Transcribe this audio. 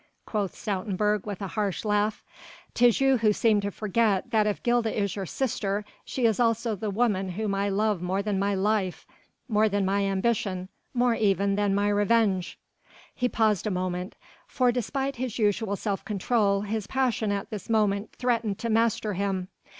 quoth Stoutenburg with a harsh laugh, "'tis you who seem to forget that if Gilda is your sister she is also the woman whom I love more than my life ... more than my ambition ... more even than my revenge...." He paused a moment, for despite his usual self control his passion at this moment threatened to master him.